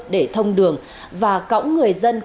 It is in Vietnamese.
để thông đường và cõng người dân